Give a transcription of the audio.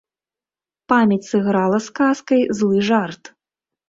Памяць сыграла з казкай злы жарт.